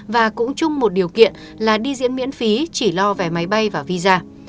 và cũng chung một điều kiện là đi diễn miễn phí chỉ lo về máy bay và visa